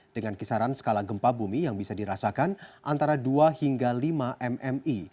dengan kisaran skala gempa bumi yang bisa dirasakan antara dua hingga lima mmi